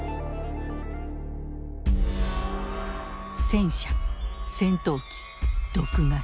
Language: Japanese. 戦車戦闘機毒ガス。